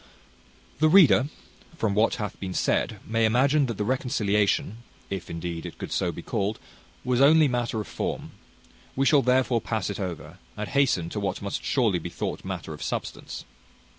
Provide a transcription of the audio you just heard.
The reader, from what hath been said, may imagine that the reconciliation (if indeed it could be so called) was only matter of form; we shall therefore pass it over, and hasten to what must surely be thought matter of substance.